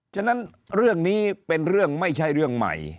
ฉะนั้นเรื่องนี้เป็นเรื่องไม่ใช่เรื่องใหม่